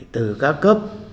từ các cấp